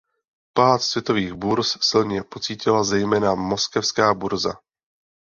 Pád světových burz silně pocítila zejména moskevská burza.